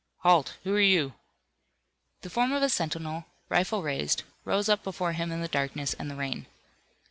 "Halt! Who are you?" The form of a sentinel, rifle raised, rose up before him in the darkness and the rain.